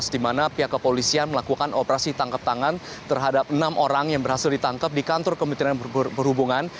di mana pihak kepolisian melakukan operasi tangkap tangan terhadap enam orang yang berhasil ditangkap di kantor kementerian perhubungan